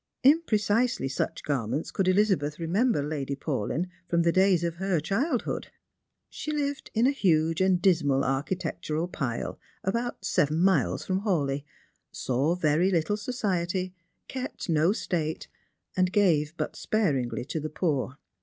In precisely such garments could Elizabeth remember Lady Paulyn from the days of her childhood. She lived in a huge and dismal architectural pile about seven miles from Hawleigh, saw very little society, kept no state, and gave but sparingly to the poor.